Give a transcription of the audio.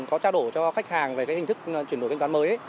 có trao đổi cho khách hàng về hình thức chuyển đổi thanh toán mới